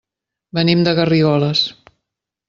Venim de Garrigoles.